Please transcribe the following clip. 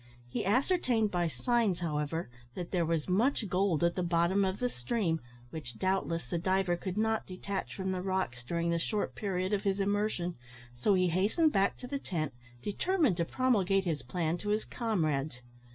He ascertained by signs, however, that there was much gold at the bottom of the stream, which, doubtless, the diver could not detach from the rocks during the short period of his immersion, so he hastened back to the tent, determined to promulgate his plan to his comrades.